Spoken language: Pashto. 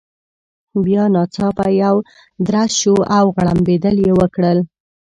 بیا ناڅاپه یو درز شو، او غړمبېدل يې وکړل.